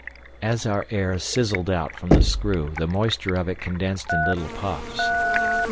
As our air sizzled out from the screw the moisture of it condensed in little puffs.